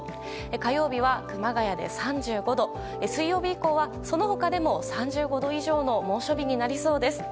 火曜日は熊谷で３５度水曜日以降は、その他でも３５度以上の猛暑日になりそうです。